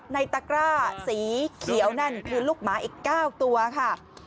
ตะกร้าสีเขียวนั่นคือลูกหมาอีก๙ตัวค่ะ